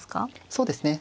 そうですね。